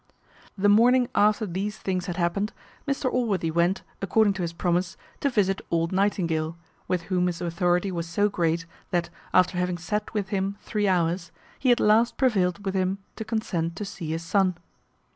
The morning after these things had happened, Mr Allworthy went, according to his promise, to visit old Nightingale, with whom his authority was so great, that, after having sat with him three hours, he at last prevailed with him to consent to see his son.